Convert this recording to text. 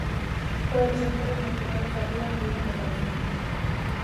Todos los actores mencionados arriba murieron de cáncer.